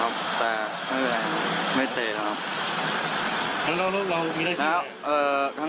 ครับแต่ไม่เป็นไรไม่เจ๋นครับ